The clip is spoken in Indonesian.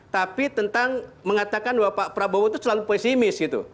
tapi tentang mengatakan bahwa pak prabowo itu selalu pesimis gitu